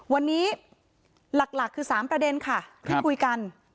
วันนี้หลักคือ๓ประเด็นค่ะที่คุยกัน